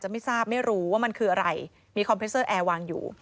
ไม่ทราบไม่รู้ว่ามันคืออะไรมีคอมเพสเซอร์แอร์วางอยู่